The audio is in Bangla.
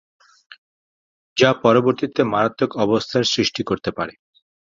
যা পরবর্তীতে মারাত্মক অবস্থার সৃষ্টি করতে পারে।